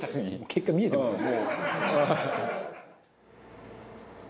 結果見えてますもん。